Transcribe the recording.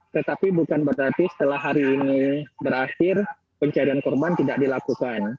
tetapi bukan berarti setelah hari ini berakhir pencarian korban tidak dilakukan